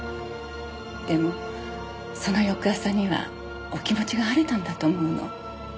でもその翌朝にはお気持ちが晴れたんだと思うの。